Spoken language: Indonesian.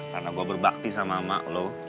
karena gue berbakti sama emak lo